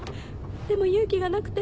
でも勇気がなくて。